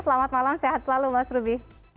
selamat malam sehat selalu mas ruby